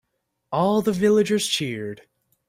All the villagers cheered.